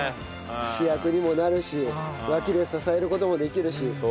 主役にもなるし脇で支える事もできるし。